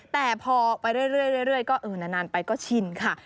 แต่พอไปเรื่อยก็เออนานไปก็ชินค่ะ